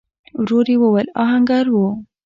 ورو يې وويل: آهنګر و؟